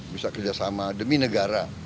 bisa kerjasama demi negara